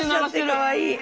かわいい。